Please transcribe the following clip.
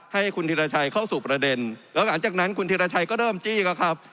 ให้คุณธิรชัยเข้าสู่ประเด็นแล้วหลังจากนั้นคุณธิรชัยก็เริ่มจี้ก็ครับ